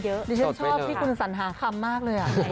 ดิฉันชอบที่คุณสัญหาคำมากเลย